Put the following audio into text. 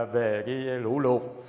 về lũ luộc